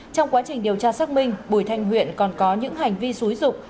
trong quá trình điều tra xác minh bùi thanh huyện còn có những hành vi xúi dục